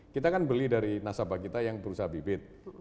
kita kan beli dari nasabah kita yang berusaha bibit